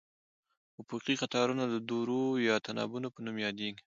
افقي قطارونه د دورو یا تناوبونو په نوم یادیږي.